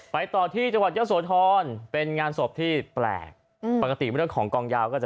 ไปต่อที่จังหวัดเยหาสโถทร